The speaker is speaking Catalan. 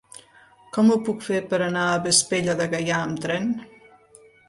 Com ho puc fer per anar a Vespella de Gaià amb tren?